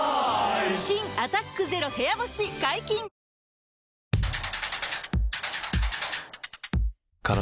新「アタックＺＥＲＯ部屋干し」解禁‼えっ？